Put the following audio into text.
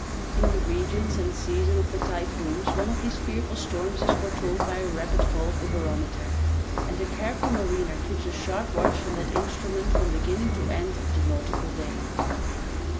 In the regions and season of the typhoons one of these fearful storms is foretold by a rapid fall of the barometer, and a careful mariner keeps a sharp watch on that CAUGHT IN A TYPHOON. 143 instrument from beginning to end of the nautieal day.